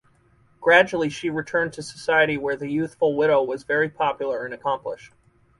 Gradually she returned to society where the youthful widow was very popular and accomplished.